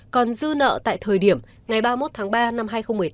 còn dư nợ tại thời điểm ngày ba mươi một tháng ba năm hai nghìn một mươi tám